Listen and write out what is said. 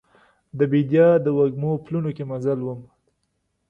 د بیدیا د وږمو پلونو کې مزل وم